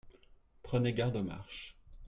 Prenez garde aux marches.